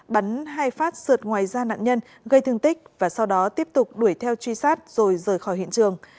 bắn hai phát sượt ngoài da nạn nhân gây thương tích và sau đó tiếp tục đuổi theo truy sát rồi rời khỏi hiện trường